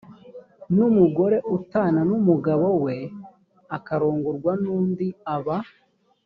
n umugore utana n umugabo we akarongorwa n undi aba